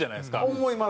思います。